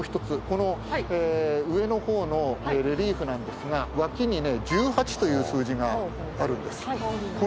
この上の方のレリーフなんですが脇にね「１８」という数字があるんです。